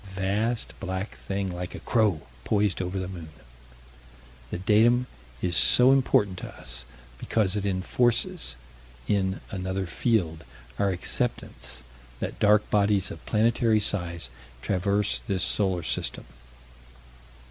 Vast black thing like a crow poised over the moon. The datum is so important to us, because it enforces, in another field, our acceptance that dark bodies of planetary size traverse this solar system.